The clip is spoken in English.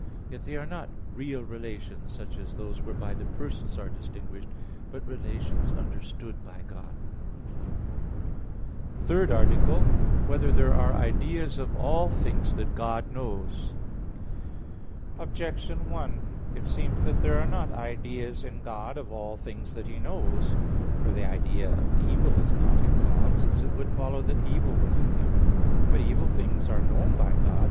Yet they are not real relations, such as those whereby the Persons are distinguished, but relations understood by God. _______________________ THIRD ARTICLE [I, Q. 15, Art. 3] Whether There Are Ideas of All Things That God Knows? Objection 1: It seems that there are not ideas in God of all things that He knows. For the idea of evil is not in God; since it would follow that evil was in Him. But evil things are known by God.